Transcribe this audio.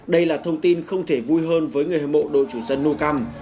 đây là thông tin không thể vui hơn với người hâm mộ đội chủ dân nucam